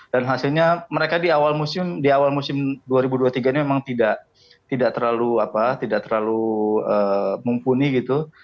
dan hasilnya mereka di awal musim dua ribu dua puluh tiga ini memang tidak terlalu mumpuni gitu